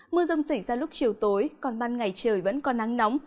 mưa rông xảy ra lúc chiều tối còn ban ngày trời vẫn có nắng nóng